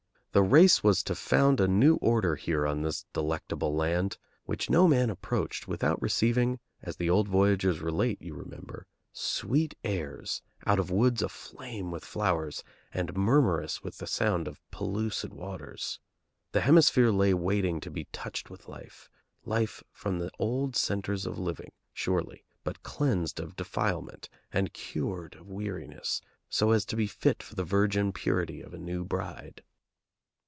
The race was to found a new order here on this delectable land, which no man approached without receiving, as the old voyagers relate, you remember, sweet airs out of woods aflame with flowers and murmurous with the sound of pellucid waters. The hemisphere lay waiting to be touched with life, life from the old centres of living, surely, but cleansed of defilement, and cured of weariness, so as to be fit for the virgin purity of a new bride.